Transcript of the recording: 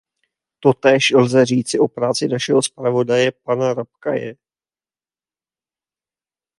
Totéž lze říci o práci našeho zpravodaje, pana Rapkaye.